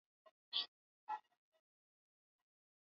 Aliulizwa atakaa siku ngapi hapo Kigali alijibu sio zaidi ya siku mbili